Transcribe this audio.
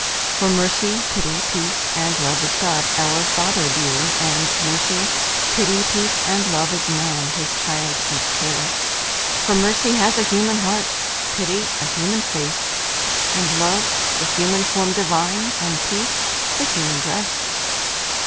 For Mercy, Pity, Peace, and Love, Is God our Father dear; And Mercy, Pity, Peace, and Love, Is man, His child and care. For Mercy has a human heart; Pity, a human face; And Love, the human form divine: And Peace the human dress.